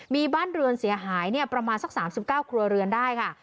มีบ้านเรือนเสียหายประมาณสัก๓๙ครัวเรือนได้ค่ะ